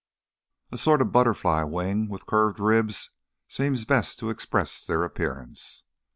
(A sort of butterfly wing with curved ribs seems best to express their appearance.)